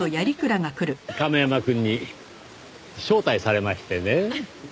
亀山くんに招待されましてね。